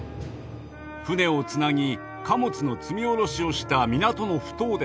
船をつなぎ貨物の積み降ろしをした「港のふ頭」です。